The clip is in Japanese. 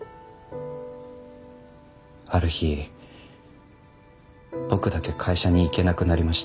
ある日僕だけ会社に行けなくなりました。